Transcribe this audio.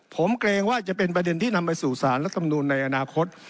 ผมเกรงว่าจะเป็นประเด็นที่นำไปสู่สารรัฐมนุนในอนาคต